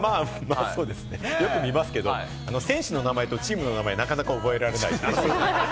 よく見ますけれども、選手の名前とチームの名前をなかなか覚えられない。